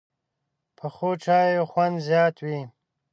پخو چایو خوند زیات وي